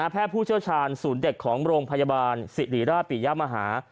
ผู้เชี่ยวชาญศูนย์เด็กของโรงพยาบาลสิริราชปิยมหา